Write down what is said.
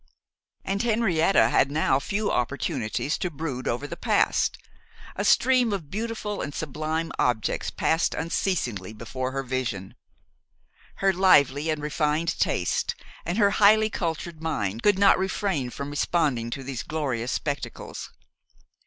And Henrietta had now few opportunities to brood over the past; a stream of beautiful and sublime objects passed unceasingly before her vision. Her lively and refined taste, and her highly cultured mind, could not refrain from responding to these glorious spectacles.